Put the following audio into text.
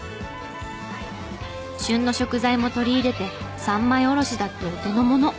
旬の食材も取り入れて三枚おろしだってお手のもの。